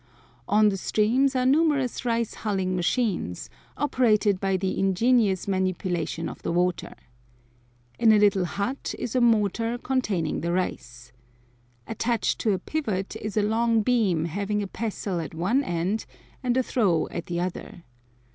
On the streams are numerous rice hulling machines, operated by the ingenious manipulation of the water. In a little hut is a mortar containing the rice. Attached to a pivot is a long beam having a pestle at one end and a trough at the other.